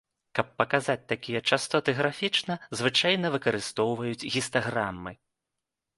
Каб паказаць такія частоты графічна, звычайна выкарыстоўваюць гістаграмы.